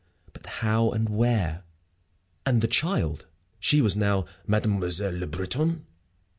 But how, and where? And the child? She was now "Mademoiselle Le Breton